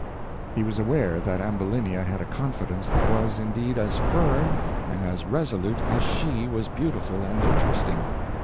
He was aware that Ambulinia had a confidence that was, indeed, as firm and as resolute as she was beautiful and interesting.